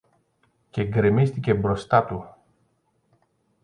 και γκρεμίστηκε μπροστά του.